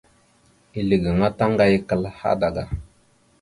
Ezle gaŋa taŋgayakal hadaga.